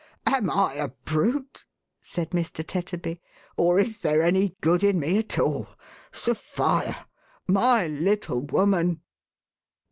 "Am I a brute," said Mr. Tetterby, " or is there any good in me at all ? Sophia ! My little woman